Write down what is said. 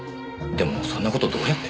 でもそんな事どうやって？